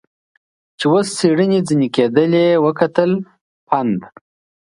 چې اوس څېړنې ځنې کېدلې وکتل، پنډ.